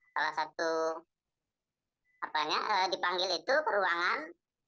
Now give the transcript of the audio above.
salah satu apanya dipanggil itu peruangan